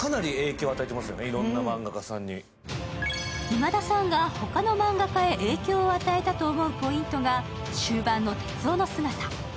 今田さんが他の漫画家へ影響を与えたと思うポイントが終盤の鉄雄の姿。